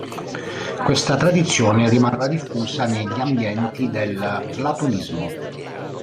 Questa tradizione rimarrà diffusa negli ambienti del platonismo.